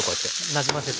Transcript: なじませて。